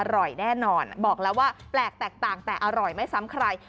อร่อยแน่นอนบอกแล้วว่าแปลกแตกต่างแต่อร่อยไม่ซ้ำใคร